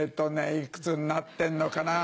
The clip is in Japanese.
いくつになってんのかな。